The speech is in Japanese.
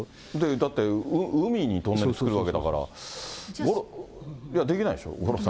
だって海にトンネル作るわけだから。いや、できないでしょう、これは、五郎さん。